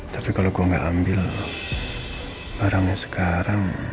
tapi kalau gue gak ambil barangnya sekarang